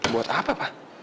buat apa pa